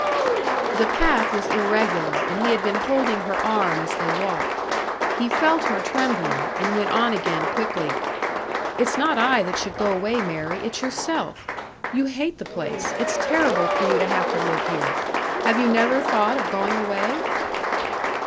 The path was irregular, and he had been holding her arm as they walked. He felt her trembling, and went on again, quickly, "It's not I that should go away, Mary. It's yourself. You hate the place it's terrible for you to have to live here. Have you never thought of going away?"